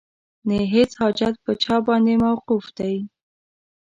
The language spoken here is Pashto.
نه یې هیڅ حاجت په چا باندې موقوف دی